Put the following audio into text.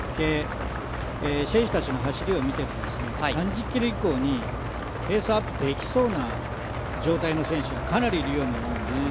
選手たちの走りを見ていて、３０ｋｍ以降にペースアップできそうな状態の選手がかなりいるように思うんですね。